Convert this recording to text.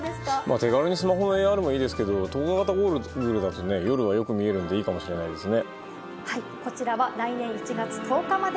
手軽にスマホでＡＲもいいですけど夜はよく見えるのでいいかもしれないですね。